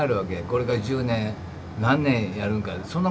これから１０年何年やるんかそんなこと。